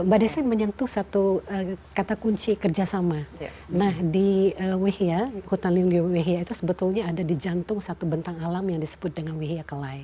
mbak desi menyentuh satu kata kunci kerjasama nah di wehia hutan lindungia itu sebetulnya ada di jantung satu bentang alam yang disebut dengan wehia kelai